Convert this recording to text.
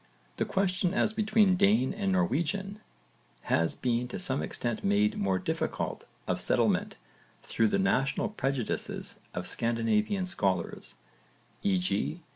The question as between Dane and Norwegian has been to some extent made more difficult of settlement through the national prejudices of Scandinavian scholars; e.g.